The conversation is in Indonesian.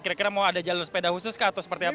kira kira mau ada jalur sepeda khusus kah atau seperti apa